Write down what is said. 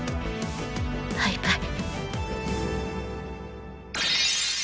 バイバイ。